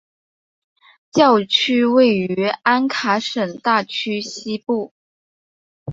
教区位于安卡什大区西部。